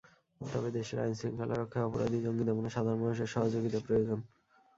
তবে দেশের আইনশৃঙ্খলা রক্ষায় অপরাধী, জঙ্গি দমনে সাধারণ মানুষের সহযোগিতা প্রয়োজন।